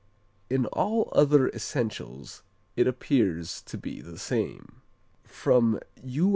In all other essentials it appears to be the same." From U.